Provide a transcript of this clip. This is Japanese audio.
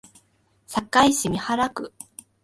堺市美原区